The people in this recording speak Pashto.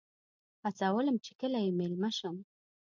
هڅولم چې کله یې میلمه شم.